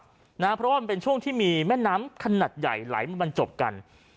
เพราะว่ามันเป็นช่วงที่มีแม่น้ำขนาดใหญ่ไหลมาบรรจบกัน